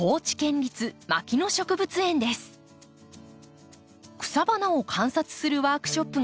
草花を観察するワークショップが開かれました。